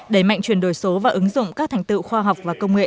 đẩy mạnh chuyển đổi số và ứng dụng các thành tựu khoa học và công nghệ